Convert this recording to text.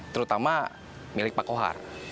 terutama milik pak kohar